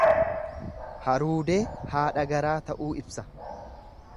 Haruudee haadha garaa ta'uu ibsa.